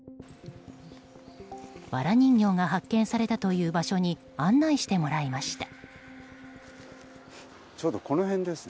わら人形が発見されたという場所に案内してもらいました。